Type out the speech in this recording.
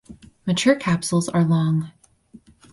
Mature capsules are long.